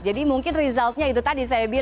jadi mungkin resultnya itu tadi saya bilang